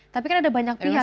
tapi kan ada banyak pihak